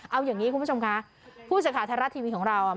เอาอย่างนี้คุณผู้ชมคะผู้สื่อข่าวไทยรัฐทีวีของเราอ่ะ